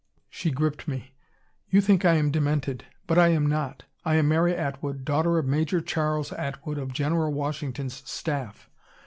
She gripped me. "You think I am demented. But I am not. I am Mary Atwood, daughter of Major Charles Atwood, of General Washington's staff.